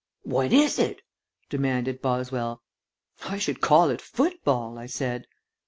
"What is it?" demanded Boswell. "I should call it football," I said.